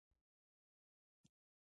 هره لویه لاستهراوړنه د یوه خیال پایله ده.